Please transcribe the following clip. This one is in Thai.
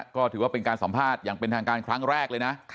ก็ถือว่าเป็นการสัมภาษณ์อย่างเป็นทางการครั้งแรกเลยนะ